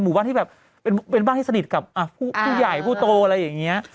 มันบ้านที่สนิทกับผู้ใหญ่ผู้โตแล้วเงี้ย